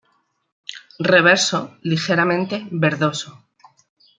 Reverso ligeramente verdoso.